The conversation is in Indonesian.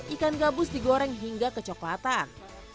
ikan gabus digoreng hingga kecoklatan